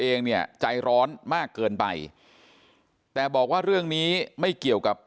เองเนี่ยใจร้อนมากเกินไปแต่บอกว่าเรื่องนี้ไม่เกี่ยวกับ